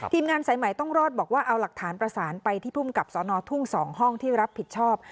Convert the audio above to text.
ทีมงานสายใหม่ต้องรอดบอกว่าเอาหลักฐานประสานไปที่ภูมิกับสนทุ่ง๒ห้องที่รับผิดชอบ